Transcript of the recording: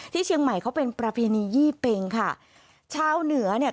เชียงใหม่เขาเป็นประเพณียี่เป็งค่ะชาวเหนือเนี่ย